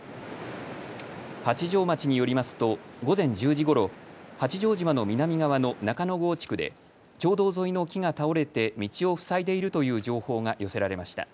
八丈町によりますと午前１０時ごろ八丈島の南側の中之郷地区で町道沿いの木が倒れて道をふさいでいるという情報が寄せられました。